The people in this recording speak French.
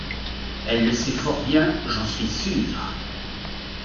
Elle le sait fort bien, j’en suis sure.